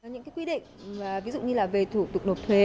những quy định ví dụ như là về thủ tục nộp thuế